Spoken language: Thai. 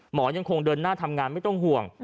หมอยังคงเดินหน้าทำงานไม่ต้องห่วง